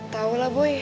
tau lah boy